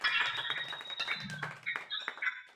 څنګه لوی سوداګر تازه میوه ترکیې ته لیږدوي؟